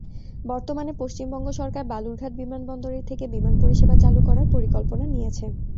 বর্তমানে পশ্চিমবঙ্গ সরকার বালুরঘাট বিমানবন্দরের থেকে বিমান পরিষেবা চালু করার পরিকল্পনা নিয়েছে।